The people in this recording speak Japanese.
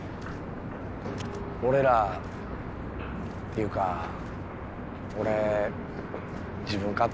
俺らっていうか俺自分勝手でごめんな。